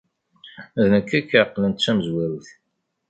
D nekk ay k-iɛeqlen d tamezwarut.